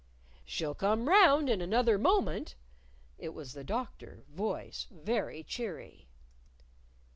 "She'll come round in another moment!" It was the Doctor, voice very cheery.